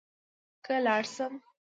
که لاړ شم.